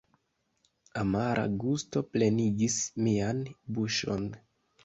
Amara gusto plenigis mian buŝon.